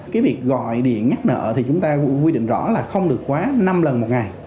cái việc gọi điện nhắc nợ thì chúng ta quy định rõ là không được quá năm lần một ngày